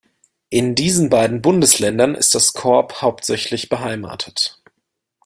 In diesen beiden Bundesländern ist das Korps hauptsächlich beheimatet.